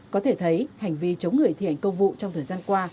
có thể thấy hành vi chống người thi hành công vụ trong thời gian qua